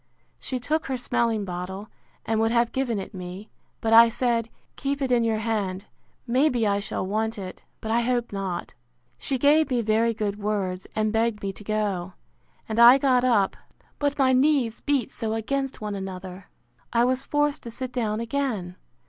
She took her smelling bottle, and would have given it me: but I said, Keep it in your hand; may be I shall want it: but I hope not. She gave me very good words, and begged me to go: And I got up; but my knees beat so against one another, I was forced to sit down again.